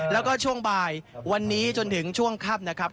แล้วก็ช่วงบ่ายวันนี้จนถึงช่วงค่ำนะครับ